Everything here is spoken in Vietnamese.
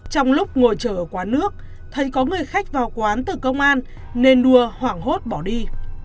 trong lúc ngồi chờ quán nước thấy có người khách vào quán từ công an nên đua hoảng hốt bỏ đi